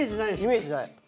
イメージない。